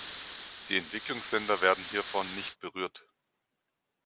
Die Entwicklungsländer werden hiervon nicht berührt.